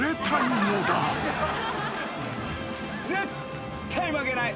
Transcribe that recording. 絶対負けない。